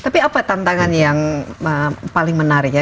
tapi apa tantangan yang paling menarik ya